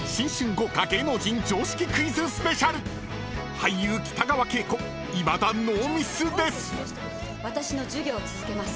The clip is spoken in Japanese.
［俳優北川景子いまだノーミスです］